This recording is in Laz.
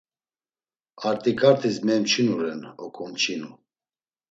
Artiǩatis memçinu ren oǩomçinu.